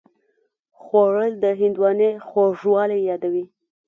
خوړل د هندوانې خوږوالی یادوي